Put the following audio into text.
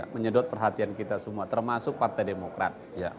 menyedot perhatian kita semua termasuk partai demokrat